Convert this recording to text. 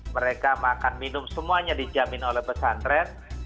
mereka makan minum semuanya dijamin oleh pesantren